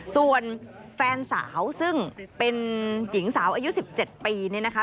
ส่วนแฟนสาวซึ่งเป็นหญิงสาวอายุ๑๗ปีเนี่ยนะคะ